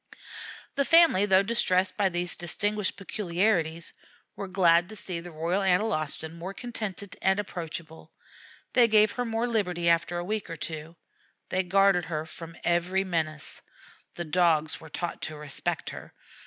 The family, though distressed by these distinguished peculiarities, were glad to see the Royal Analostan more contented and approachable. They gave her more liberty after a week or two. They guarded her from every menace. The Dogs were taught to respect her.